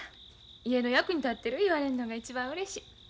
家の役に立ってる言われんのが一番うれしい。